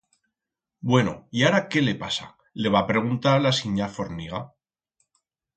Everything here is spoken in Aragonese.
Bueno y ara qué le pasa, le va preguntar la sinya Forniga.